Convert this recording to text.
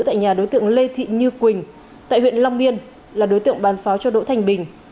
tại nhà đối tượng lê thị như quỳnh tại huyện long biên là đối tượng bán pháo cho đỗ thanh bình